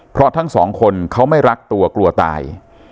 เพราะทั้งสองคนเขาไม่รักตัวกลัวตาย